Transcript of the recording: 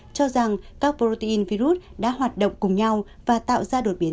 cho rằng ca protein virus đã hoạt động cùng nhau và tạo ra đột biến